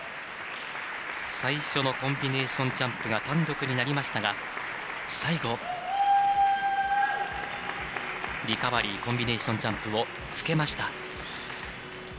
最初のコンビネーションジャンプ単独になりましたが最後、リカバリーコンビネーションジャンプをつけました。